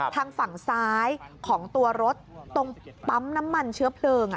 ทางฝั่งซ้ายของตัวรถตรงปั๊มน้ำมันเชื้อเพลิง